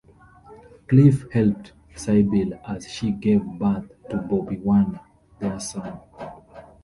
Cliff helped Sybil as she gave birth to Bobby Warner, their son.